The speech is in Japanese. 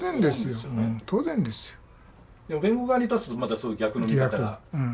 でも弁護側に立つとまたそういう逆の見方が。